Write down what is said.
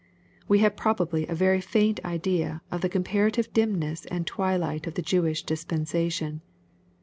We have probably a very fainfc idea of the comparative dimness and twilight of the Jewish dispensation.